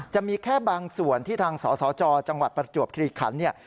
จะมีแค่บางส่วนที่ทางศจจังหวัดประจวบคลิกขันศ์